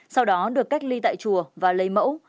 sau đó được cách ly tại chùa và lấy mẫu